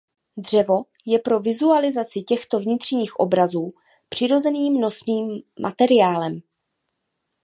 Dřevo je pro vizualizaci těchto vnitřních obrazů přirozeným nosným materiálem.